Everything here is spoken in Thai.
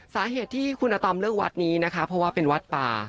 สาเหตุที่คุณอาตอมเลือกวัดนี้นะคะเพราะว่าเป็นวัดป่า